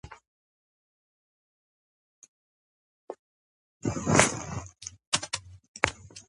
გუნდი ასპარეზობს ყოველწლიურ ექვსი ერის ჩემპიონატში საფრანგეთთან, ირლანდიასთან, შოტლანდიასთან, იტალიასთან და უელსთან.